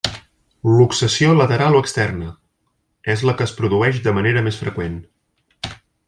Luxació lateral o externa: és la que es produeix de manera més freqüent.